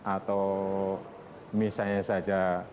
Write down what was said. atau misalnya saja